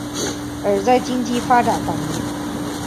而在经济发展方面。